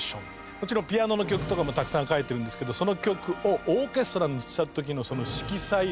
もちろんピアノの曲とかもたくさん書いてるんですけどその曲をオーケストラにした時のその色彩の美しさ。